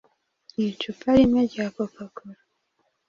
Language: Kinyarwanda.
Mu icupa rimwe rya Coca cola